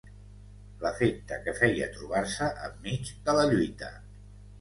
L'efecte que feia trobar-se enmig de la lluita